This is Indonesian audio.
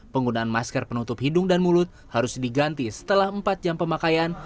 penggunaan masker penutup hidung dan mulut harus diganti setelah empat jam pemakaian